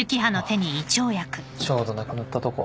ちょうどなくなったとこ。